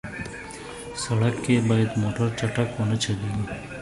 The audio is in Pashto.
سړک کې باید موټر چټک ونه چلېږي.